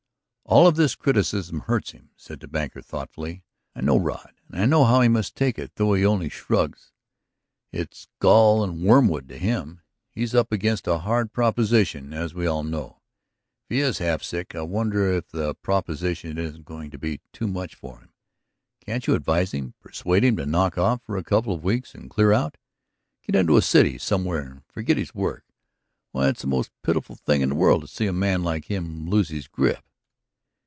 "All of this criticism hurts him," said the banker thoughtfully. "I know Rod and how he must take it, though he only shrugs. It's gall and wormwood to him. He's up against a hard proposition, as we all know; if he is half sick, I wonder if the proposition isn't going to be too much for him? Can't you advise him, persuade him to knock off for a couple of weeks and clear out? Get into a city somewhere and forget his work. Why, it's the most pitiful thing in the world to see a man like him lose his grip."